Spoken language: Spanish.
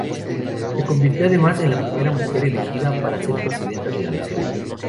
Se convirtió además en la primera mujer elegida para ser presidenta de la Nación.